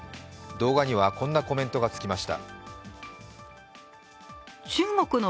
動画には、こんなコメントがつきました。